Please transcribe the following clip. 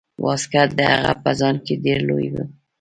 واسکټ د هغه په ځان کې ډیر لوی و.